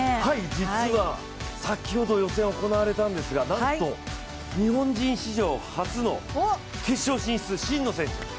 実は先ほど予選が行われたんですがなんと日本史上初の決勝進出、真野選手！